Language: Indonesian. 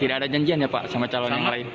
tidak ada janjian ya pak sama calon yang lain